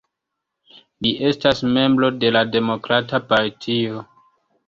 Li estas membro de la Demokrata partio.